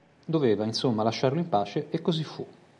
Doveva insomma lasciarlo in pace e così fu.